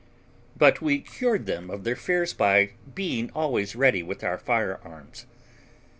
But we cured them of their fears by being always ready with our firearms.